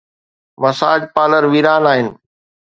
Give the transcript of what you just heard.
Massage parlour ويران آهن.